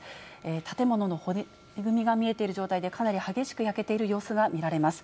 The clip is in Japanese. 建物の骨組みが見えている状態で、かなり激しく焼けている様子が見られます。